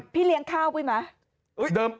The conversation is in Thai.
พี่เลี้ยงเข้าด้วยเหรอ